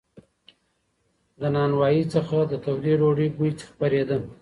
له نانوایۍ څخه د تودې ډوډۍ بوی خپرېده.